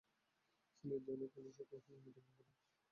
সিলেট জেলে ফাঁসিতে মৃত্যুবরণ করেন।